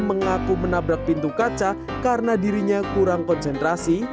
mengaku menabrak pintu kaca karena dirinya kurang konsentrasi